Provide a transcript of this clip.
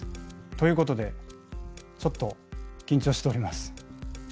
ということでちょっと緊張しております。